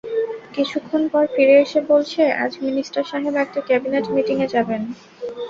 কিছুক্ষণ পর ফিরে এসে বলছে, আজ মিনিস্টার সাহেব একটা ক্যাবিনেট মীটিং-এ যাবেন!